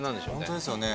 本当ですよね。